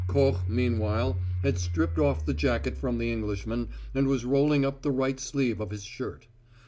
Koch, meanwhile, had stripped off the jacket from the Englishman and was rolling up the right sleeve of his shirt.